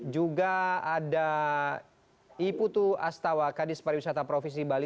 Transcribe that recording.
juga ada i putu astawa kadis pariwisata provinsi bali